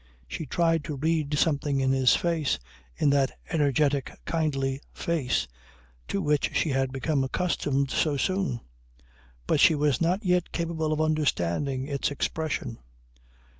She tried to read something in his face, in that energetic kindly face to which she had become accustomed so soon. But she was not yet capable of understanding its expression.